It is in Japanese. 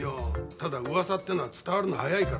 ただ噂ってのは伝わるのが早いからね。